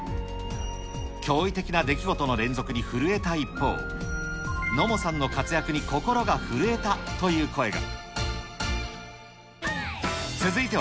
驚異的な出来事の連続に震えた一方、野茂さんの活躍に心が震えたという声が。